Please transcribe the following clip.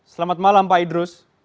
selamat malam pak idrus